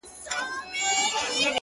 • د کمزوري هم مرګ حق دی او هم پړ سي ,